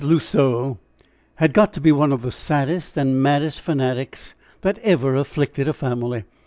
L'Oiseau had got to be one of the saddest and maddest fanatics that ever afflicted a family.